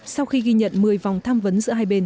sau khi ghi nhận một mươi vòng tham vấn giữa hai bên